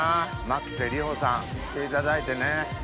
牧瀬里穂さん来ていただいてね。